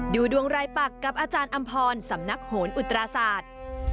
ดูดวงรายปักกับอาจารย์อำพรสำนักโหนอุตราศาสตร์